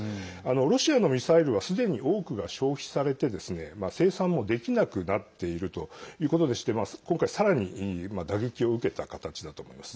ロシアのミサイルはすでに多くが消費されて生産もできなくなっているということでして今回さらに打撃を受けた形だと思います。